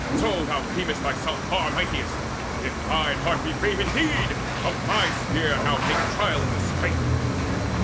So thou deem'st thyself Far mightiest! If thine heart be brave indeed, Of my spear now make trial in the strife."